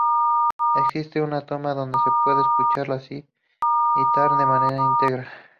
Existe una toma, donde se puede escuchar el sitar de manera integra.